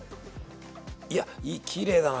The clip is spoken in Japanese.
いやきれいだな。